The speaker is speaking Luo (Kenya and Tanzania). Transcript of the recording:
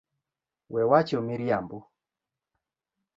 We wacho miriambo